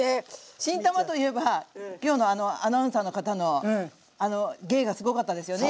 新たまといえばきょうのあのアナウンサーの方の芸がすごかったですよね。